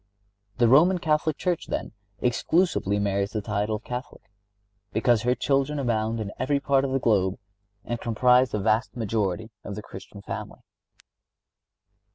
The Roman Catholic Church, then, exclusively merits the title of Catholic, because her children abound in every part of the globe and comprise the vast majority of the Christian family.